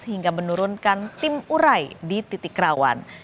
hingga menurunkan tim urai di titik rawan